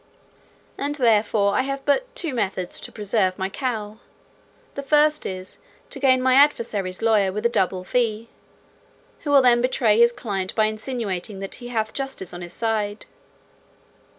And therefore I have but two methods to preserve my cow. The first is, to gain over my adversary's lawyer with a double fee, who will then betray his client by insinuating that he hath justice on his side.